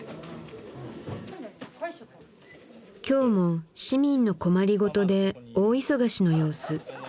今日も市民の困りごとで大忙しの様子。